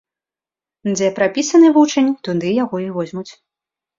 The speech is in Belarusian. Дзе прапісаны вучань, туды яго і возьмуць.